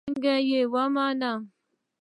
څنگه يې ومنم.